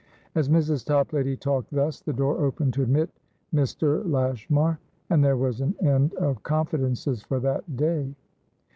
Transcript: As Mrs. Toplady talked thus, the door opened to admitMr. Lashmar, and there was an end of confidences for that day.